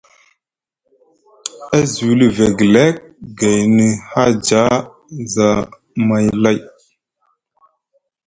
E zuuli vegelek gayni haaja za zamai lai.